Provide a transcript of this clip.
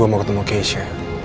gue mau ketemu keisha